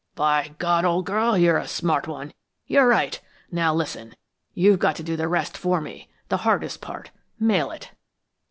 "By God, old girl, you're a smart one! You're right. Now listen. You've got to do the rest for me, the hardest part. Mail it."